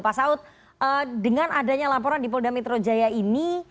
pak saud dengan adanya laporan di polda metro jaya ini